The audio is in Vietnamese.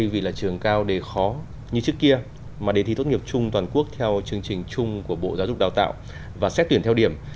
vì là trường cao đề khó như trước kia mà đề thi tốt nghiệp trung toàn quốc theo chương trình chung của bộ giáo dục đào tạo và xét tuyển theo điểm